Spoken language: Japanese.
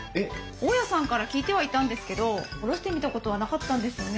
大家さんから聞いてはいたんですけど下ろしてみたことはなかったんですよね。